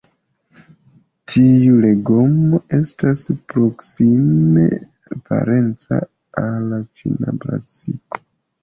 Tiu legomo estas proksime parenca al ĉina brasiko.